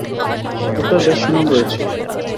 লোকটার বেশ সুনাম রয়েছে।